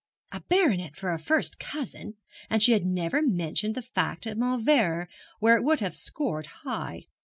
A baronet for a first cousin! and she had never mentioned the fact at Mauleverer, where it would have scored high.